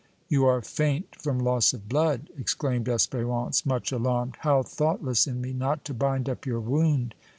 "You are faint from loss of blood!" exclaimed Espérance, much alarmed. "How thoughtless in me not to bind up your wound!"